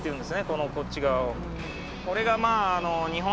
このこっち側を。